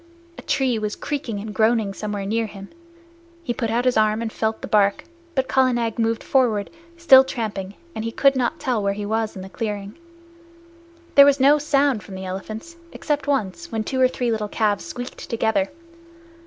A tree was creaking and groaning somewhere near him. He put out his arm and felt the bark, but Kala Nag moved forward, still tramping, and he could not tell where he was in the clearing. There was no sound from the elephants, except once, when two or three little calves squeaked together.